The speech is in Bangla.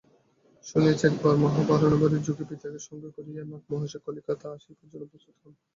শুনিয়াছি, একবার মহাবারুণীযোগে পিতাকে সঙ্গে করিয়া নাগ-মহাশয় কলিকাতা আসিবার জন্য প্রস্তুত হন।